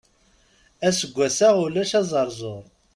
Aseggas-a ulac aẓerẓur.